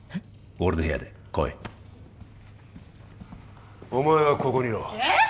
俺の部屋で来いお前はここにいろえっ？